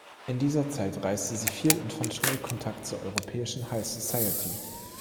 In dieser Zeit reiste sie viel und fand schnell Kontakt zur europäischen High Society.